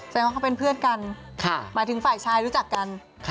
แสดงว่าเขาเป็นเพื่อนกันหมายถึงฝ่ายชายรู้จักกัน